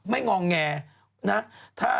ไม่งองแงนะ